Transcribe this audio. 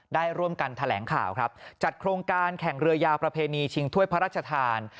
ได้ร่วมกันแถลงข่าวครับจัดโครงการแข่งเรือยาวประเพณีชิงถ้วยพระราชทาน